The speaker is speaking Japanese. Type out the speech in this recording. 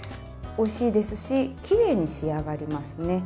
おいしいですしきれいに仕上がります。